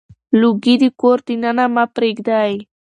لوګي د کور دننه مه پرېږدئ.